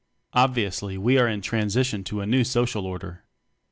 Obviously we are in transition to a new social order.